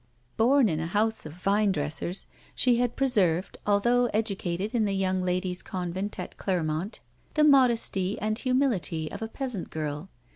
Born in a house of vinedressers, she had preserved, although educated in the young ladies' convent at Clermont, the modesty and humility of a peasant girl.